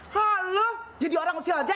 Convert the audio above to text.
halo jadi orang usia aja